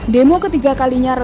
demo ketiga kalinya repot